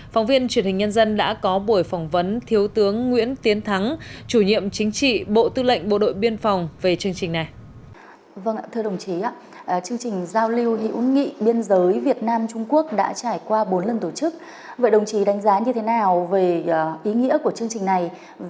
phóng viên truyền hình nhân dân đã có buổi phỏng vấn thiếu tướng nguyễn tiến thắng chủ nhiệm chính trị bộ tư lệnh bộ đội biên phòng về chương trình này